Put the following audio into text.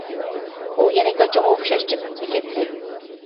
ئۇ يەنە گاچىغا ئوخشاش جىمىپلا كەتتى.